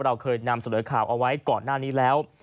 เราเคยนำเสนอข่าวเอาไว้ก่อนหน้านี้แล้ว